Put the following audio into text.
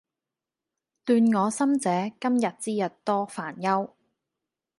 亂我心者，今日之日多煩憂